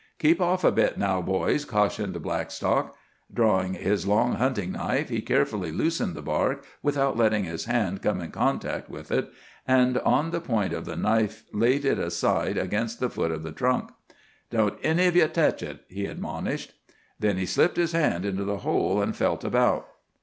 "Keep off a bit now, boys," cautioned Blackstock. Drawing his long hunting knife, he carefully loosened the bark without letting his hand come in contact with it, and on the point of the blade laid it aside against the foot of the trunk. "Don't any of you tech it," he admonished. Then he slipped his hand into the hole, and felt about.